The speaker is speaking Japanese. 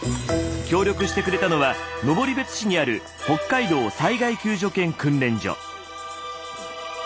協力してくれたのは登別市にある北海道災害救助犬訓練所。